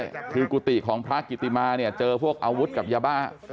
ใช่คือกุฏิของพระกิติมาเนี่ยเจอพวกอาวุธกับยาบ้า